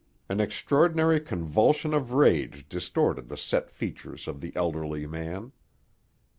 An extraordinary convulsion of rage distorted the set features of the elderly man.